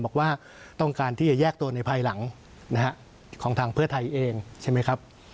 บอกว่าต้องการที่จะแยกตัวในภายหลังของทางเพื่อไทยเองใช่ไหมครับ